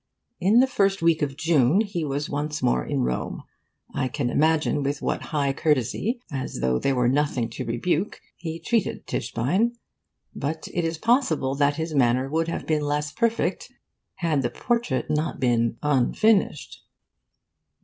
In the first week of June he was once more in Rome. I can imagine with what high courtesy, as though there were nothing to rebuke, he treated Tischbein. But it is possible that his manner would have been less perfect had the portrait not been unfinished.